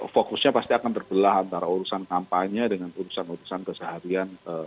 fokusnya pasti akan terbelah antara urusan kampanye dengan urusan urusan keseharian